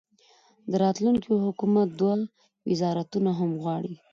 د راتلونکي حکومت دوه وزارتونه هم غواړي.